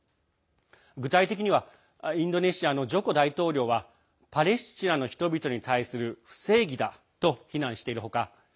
具体的にはインドネシアのジョコ大統領はパレスチナの人々に対する不正義だと非難している他